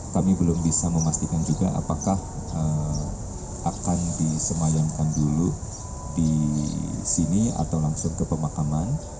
kami belum bisa memastikan juga apakah akan disemayamkan dulu di sini atau langsung ke pemakaman